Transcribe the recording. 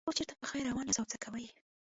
اوس چېرته په خیر روان یاست او څه کوئ.